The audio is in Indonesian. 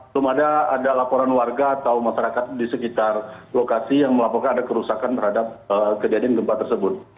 belum ada laporan warga atau masyarakat di sekitar lokasi yang melaporkan ada kerusakan terhadap kejadian gempa tersebut